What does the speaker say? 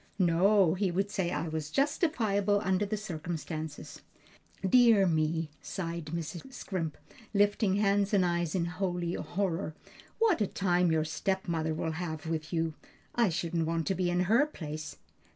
"No, he would say it was justifiable under the circumstances." "Dear me!" sighed Mrs. Scrimp, lifting hands and eyes in holy horror, "what a time your stepmother will have with you! I shouldn't want to be in her place."